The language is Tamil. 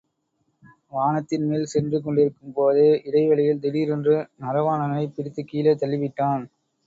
வானத்தின்மேல் சென்று கொண்டிருக்கும் போதே இடைவழியில், திடீரென்று நரவாணனைப் பிடித்துக் கீழே தள்ளி விட்டான்.